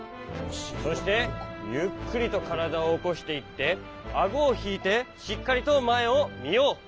そしてゆっくりとからだをおこしていってあごをひいてしっかりとまえをみよう。